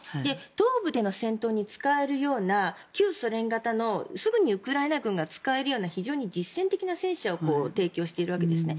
東部での戦闘に使えるような旧ソ連型のすぐにウクライナ軍が使えるような非常に実戦的な戦車を提供しているわけですね。